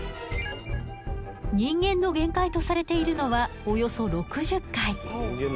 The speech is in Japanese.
人間の限界とされているのはおよそ６０回。